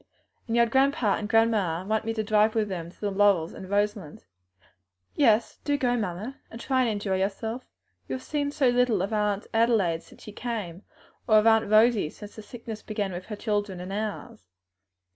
And your grandpa and grandma want me to drive with them to the Laurels and Roselands." "Yes, do go, mamma, and try to enjoy yourself. You have seen so little of Aunt Adelaide since she came, or of Aunt Rosie, since the sickness began with her children and ours.